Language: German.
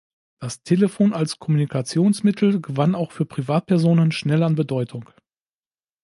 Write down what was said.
Das Telefon als Kommunikationsmittel gewann auch für Privatpersonen schnell an Bedeutung.